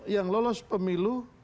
yang lolos pemilu